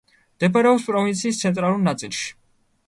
მდებარეობს პროვინციის ცენტრალურ ნაწილში.